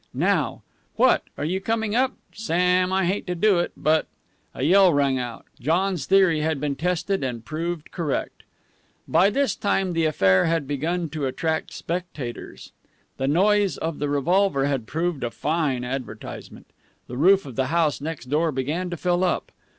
Now. What, are you coming up? Sam, I hate to do it, but " A yell rang out. John's theory had been tested and proved correct. By this time the affair had begun to attract spectators. The noise of the revolver had proved a fine advertisement. The roof of the house next door began to fill up.